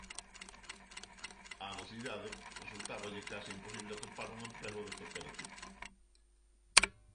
Á mocidade resultáballe case imposible atopar un emprego de calquera tipo.